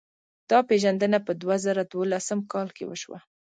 دا پېژندنه په دوه زره دولسم کال کې وشوه.